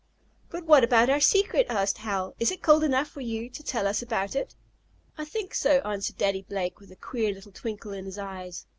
"But what about our secret?" asked Hal. "Is it cold enough for you to tell us about it?" "I think so," answered Daddy Blake, with a queer little twinkle in his eyes.